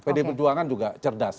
pd perjuangan juga cerdas